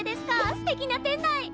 すてきな店内！